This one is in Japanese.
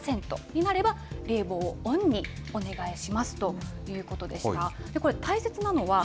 室温が２８度、湿度７０％になれば、冷房をオンにお願いしますということでした。